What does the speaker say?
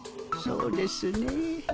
そうですね。